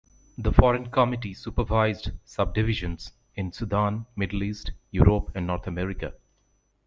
The foreign committee supervised subdivisions in Sudan, Middle East, Europe and North America.